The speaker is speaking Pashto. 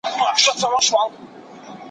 آیا روغتیا تر ناروغۍ خوندوره ده؟